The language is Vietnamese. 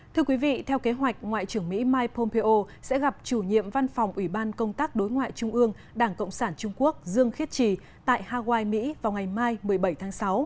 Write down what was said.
thưa quý vị theo kế hoạch ngoại trưởng mỹ mike pompeo sẽ gặp chủ nhiệm văn phòng ủy ban công tác đối ngoại trung ương đảng cộng sản trung quốc dương khiết trì tại hawaii mỹ vào ngày mai một mươi bảy tháng sáu